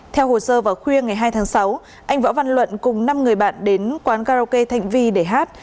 theo hồ sơ vào khuya ngày hai tháng sáu anh võ văn luận cùng năm người bạn đến quán karaoke thanh vi để hát